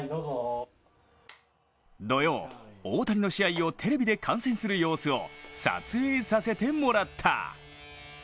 土曜、大谷の試合をテレビで観戦する様子を撮影させてもらった。